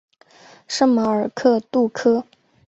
圣马尔克杜科。